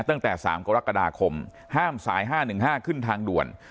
ตั้งแต่สามกรกฎาคมห้ามสายห้าหนึ่งห้าขึ้นทางด่วน